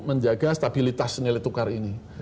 menjaga stabilitas nilai tukar ini